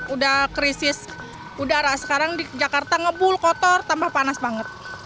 udah krisis udara sekarang di jakarta ngebul kotor tambah panas banget